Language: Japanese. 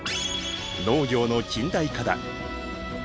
農業の近代化だ。